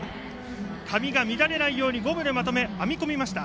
髪が乱れないようにゴムでまとめ編み込みました。